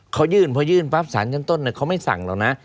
เขายื่นเพราะยื่นปั๊บศาลชั้นต้นเนี่ยเขาไม่สั่งหรอกนะ